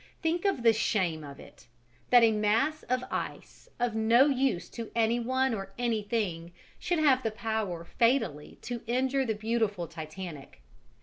Think of the shame of it, that a mass of ice of no use to any one or anything should have the power fatally to injure the beautiful Titanic!